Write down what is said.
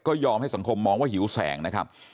ก็ยอมให้สังคมมองว่าหิวแสงนะครับ